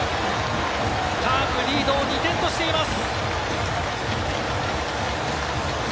カープ、リードを２点としています。